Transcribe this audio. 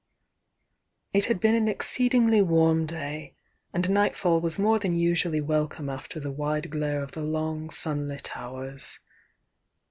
It had been an exceedingly warm day, aiid night fall was more than usually welcome after the wide glare of the long, sunlit hours.